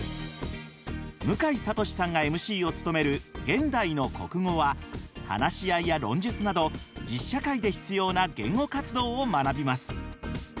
向井慧さんがＭＣを務める「現代の国語」は話し合いや論述など実社会で必要な言語活動を学びます。